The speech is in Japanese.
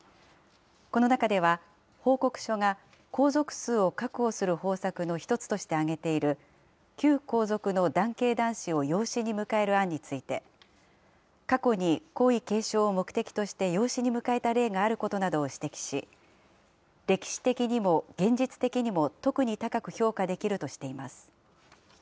この中では、報告書が皇族数を確保する方策の一つとして挙げている、旧皇族の男系男子を養子に迎える案について、過去に皇位継承を目的として養子に迎えた例があることなどを指摘し、歴史的にも現実的にも特に高く評価できるとしています。